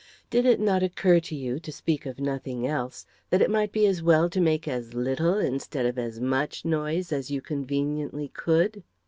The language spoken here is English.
Did it not occur to you, to speak of nothing else, that it might be as well to make as little, instead of as much, noise as you conveniently could?"